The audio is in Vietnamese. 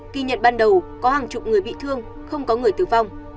kỳ nhận ban đầu có hàng chục người bị thương không có người tử vong